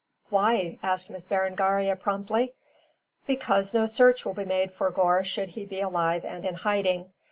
"Why?" asked Miss Berengaria promptly. "Because no search will be made for Gore should he be alive and in hiding.